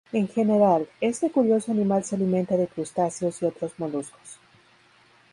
En general, este curioso animal se alimenta de crustáceos y otros moluscos.